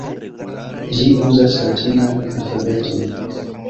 Ĝi uzas latinan alfabeton.